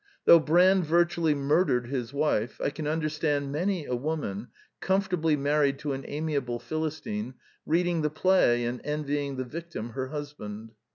Though Brand virtually mur dered his wife, I can understand many a woman, comfortably married to an amiable Philistine, reading the play and envying the victim her hus band.